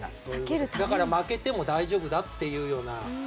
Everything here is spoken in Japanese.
だから、負けても大丈夫だっていうような。